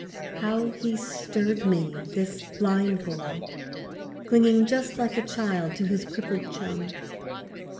How he stirred me, this blind boy, clinging Just like a child to his crippled chum.